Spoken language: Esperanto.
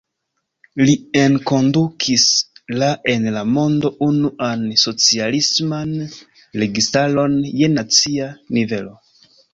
Li enkondukis la en la mondo unuan socialisman registaron je nacia nivelo.